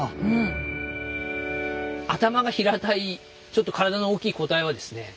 頭が平たいちょっと体の大きい個体はですね